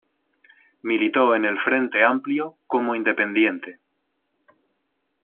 Militó en el Frente Amplio como independiente.